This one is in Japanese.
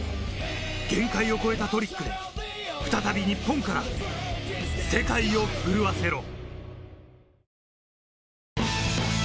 限界を超えたトリックが再び日本から世界を震わせろ。